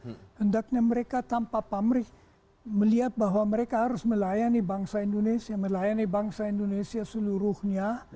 hendaknya mereka tanpa pamrih melihat bahwa mereka harus melayani bangsa indonesia melayani bangsa indonesia seluruhnya